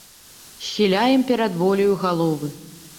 Схіляем перад воляю галовы.